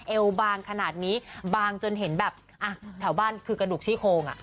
เอวบางขนาดนี้บางจนเห็นแบบอ่ะแถวบ้านคือกระดูกซี่โคงอ่ะ